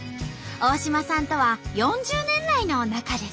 大島さんとは４０年来の仲です。